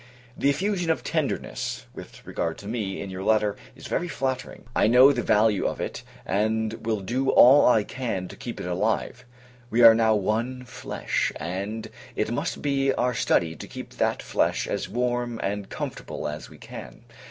The effusion of tenderness, with regard to me, in your letter, is very flattering; I know the value of it, and will do all I can to keep it alive. We are now one flesh, and it must be our study to keep that flesh as warm and comfortable as we can.